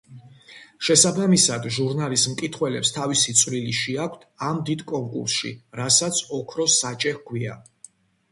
შესაბამისად, ჟურნალის მკითხველებს თავისი წვლილი შეაქვთ ამ დიდ კონკურსში, რასაც „ოქროს საჭე“ ჰქვია.